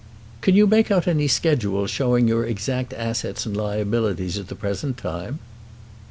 "Can you make out any schedule showing your exact assets and liabilities at the present time?"